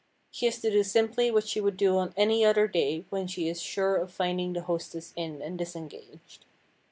She is to do simply what she would do on any other day when she is sure of finding her hostess in and disengaged.